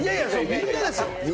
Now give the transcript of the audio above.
みんなですよ。